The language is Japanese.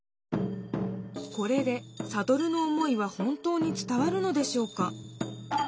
これでサトルの思いは本当に伝わるのでしょうか？